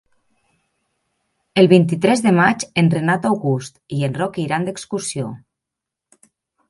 El vint-i-tres de maig en Renat August i en Roc iran d'excursió.